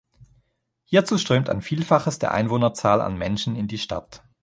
Hierzu strömt ein Vielfaches der Einwohnerzahl an Menschen in die Stadt.